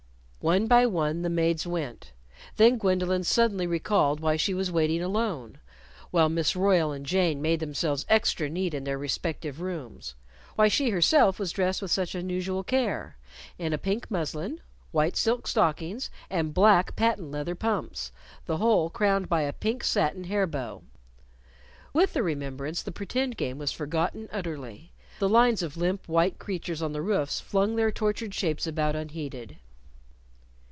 One by one the maids went. Then Gwendolyn suddenly recalled why she was waiting alone while Miss Royle and Jane made themselves extra neat in their respective rooms; why she herself was dressed with such unusual care in a pink muslin, white silk stockings, and black patent leather pumps, the whole crowned by a pink satin hair bow. With the remembrance, the pretend game was forgotten utterly: The lines of limp, white creatures on the roofs flung their tortured shapes about unheeded.